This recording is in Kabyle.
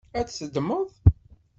Ad t-teddmeḍ?